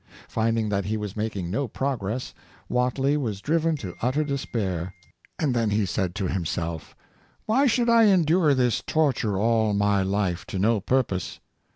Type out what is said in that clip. Finding that he was making no progress, Whately was driven to utter despair; and then he said to himself, ^' Why should I endure this torture all my life to no purpose?